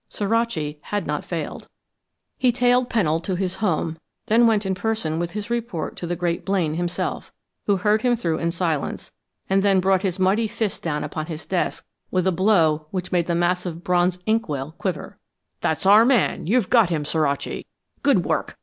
Suraci had not failed. He tailed Pennold to his home, then went in person with his report to the great Blaine himself, who heard him through in silence, and then brought his mighty fist down upon his desk with a blow which made the massive bronze ink well quiver. "That's our man! You've got him, Suraci. Good work!